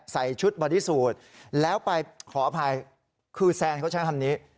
ใส่ชุดบริสูจน์แล้วไปขออภัยคือแซนเขาจะทำนี้